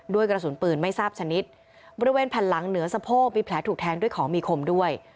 กระสุนปืนไม่ทราบชนิดบริเวณแผ่นหลังเหนือสะโพกมีแผลถูกแทงด้วยของมีคมด้วย